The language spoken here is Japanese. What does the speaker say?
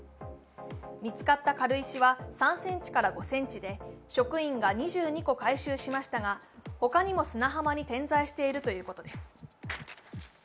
見つかった軽石は３ｃｍから５ｃｍで職員が２２個回収しましたが、他にも砂浜に点在しているということです。